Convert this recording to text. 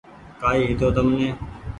ڪآئي هيتو تمني